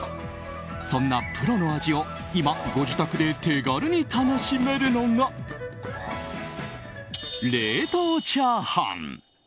そんなプロの味を今、ご自宅で手軽に楽しめるのが冷凍チャーハン。